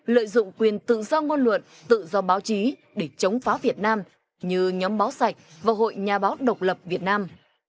lợi dụng quyền tự do ngôn luận tự do báo chí để chống phá việt nam như nhóm báo sạch và hội nhà báo độc lập việt nam